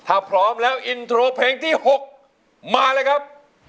ถ้าพร้อมแล้วอินโทรเพลงที่๖มาเลยครับ